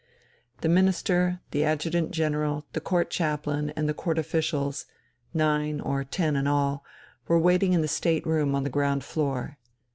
The Minister, the Adjutant General, the Court Chaplain, and the Court officials, nine or ten in all, were waiting in the state room on the ground floor.